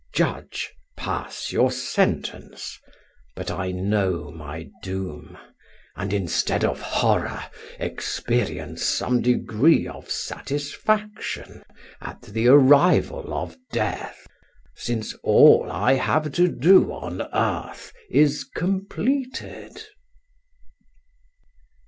Judge, pass your sentence but I know my doom; and, instead of horror, experience some degree of satisfaction at the arrival of death, since all I have to do on earth is completed."